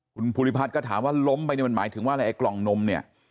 คุณภูริพัฒน์ก็ถามว่าล้มไปเนี่ยมันหมายถึงว่าอะไรไอ้กล่องนมเนี่ย